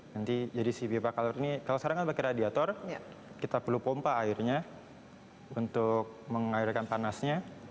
nanti jadi si pipa color ini kalau sekarang kan pakai radiator kita perlu pompa airnya untuk mengalirkan panasnya